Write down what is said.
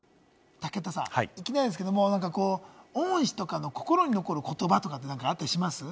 武田さん、いきなりですけれども、恩師とかの心に残る言葉ってあったりしますか？